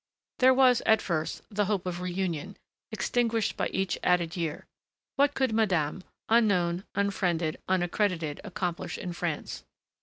There was, at first, the hope of reunion, extinguished by each added year. What could madame, unknown, unfriended, unaccredited, accomplish in France?